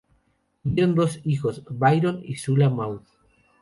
Tuvieron dos hijos, Byron y Zula Maude.